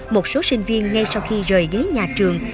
một số sinh viên ngay sau khi rời ghế nhà trường